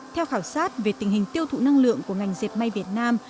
theo khảo sát về tình hình tiêu thụ năng lượng của ngành dẹp may việt nam